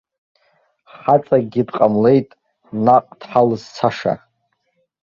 Хаҵакгьы дҟамлеит наҟ дҳалызцаша.